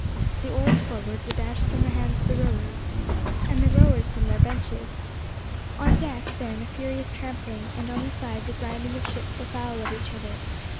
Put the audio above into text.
The oars forward were dashed from the hands of the rowers, and the rowers from their benches. On deck, then, a furious trampling, and on the sides a grinding of ships afoul of each other.